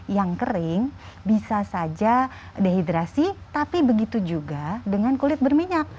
yang kering bisa saja dehidrasi tapi begitu juga dengan kulit berminyak